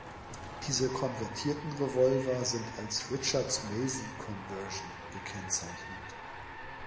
Diese konvertierten Revolver sind als „Richards-Mason-Konversion“ gekennzeichnet.